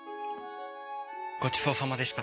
ごちそうさまでした。